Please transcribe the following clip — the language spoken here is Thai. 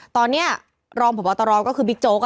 ตอนนี้รองผลประวัตรรองคือปิกโจ๊ก